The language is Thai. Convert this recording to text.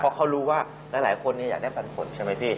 เพราะเขารู้ว่าหลายคนอยากได้ปันผลใช่ไหมพี่